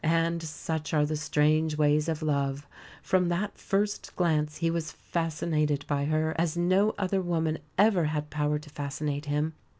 And such are the strange ways of love from that first glance he was fascinated by her as no other woman ever had power to fascinate him.